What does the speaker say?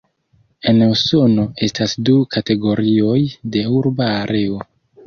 En Usono estas du kategorioj de urba areo.